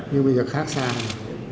nhưng bây giờ khác xa rồi